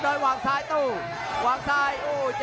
ต้องบอกว่าคนที่จะโชคกับคุณพลน้อยสภาพร่างกายมาต้องเกินร้อยครับ